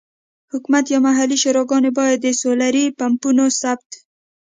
حکومت یا محلي شوراګانې باید د سولري پمپونو ثبت.